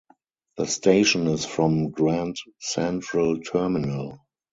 The station is from Grand Central Terminal.